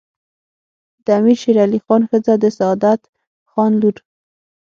د امیر شیرعلي خان ښځه د سعادت خان لور